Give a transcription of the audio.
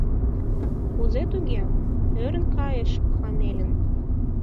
— Кузе туге? — ӧрын кайыш Комелин.